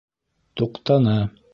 Туҡтаны.